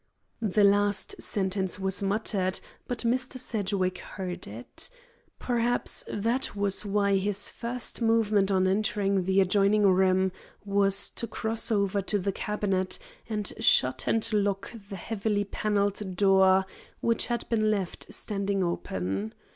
The last sentence was muttered, but Mr. Sedgwick heard it. Perhaps that was why his first movement on entering the adjoining room was to cross over to the cabinet and shut and lock the heavily panelled door which had been left standing open.